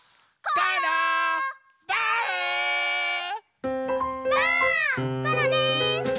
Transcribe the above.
バウです！